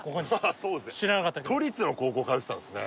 そうですね都立の高校通ってたんですね